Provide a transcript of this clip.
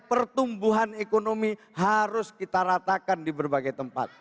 pertumbuhan ekonomi harus kita ratakan di berbagai tempat